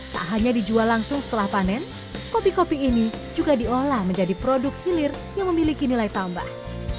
tak hanya dijual langsung setelah panen kopi kopi ini juga diolah menjadi produk hilir yang memiliki nilai tambah